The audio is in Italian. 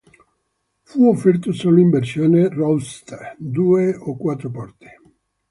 Fu offerto solo in versione roadster due o quattro porte.